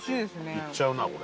いっちゃうなこれ。